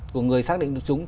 của người xác định được trúng